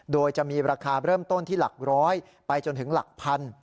โดยจะมีราคาเริ่มต้นที่หลักร้อยไปจนถึงหลักพัน